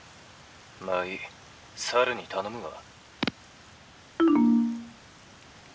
まあいい猿に頼むわ」。